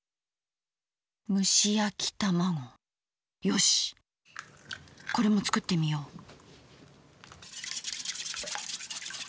むしやきたまごよしこれも作ってみよう。